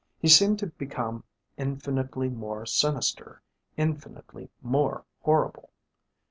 He seemed to become infinitely more sinister, infinitely more horrible.